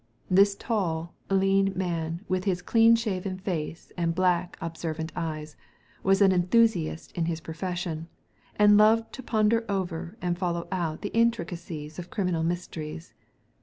This tall, lean man with his clean shaven face and black, observant eyes was an enthu siast in his profession, and loved to ponder over and follow out the intricacies of criminal mysteries.